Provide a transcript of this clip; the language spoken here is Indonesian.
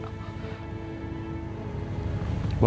terima kasih pak